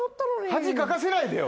恥かかせないでよ。